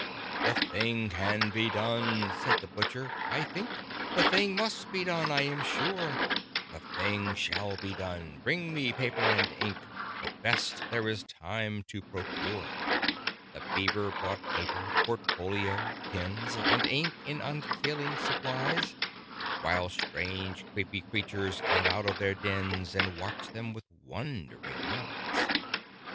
"The thing can be done," said the Butcher, "I think. The thing must be done, I am sure. The thing shall be done! Bring me paper and ink, The best there is time to procure." The Beaver brought paper, portfolio, pens, And ink in unfailing supplies: While strange creepy creatures came out of their dens, And watched them with wondering eyes.